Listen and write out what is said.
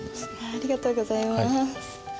ありがとうございます。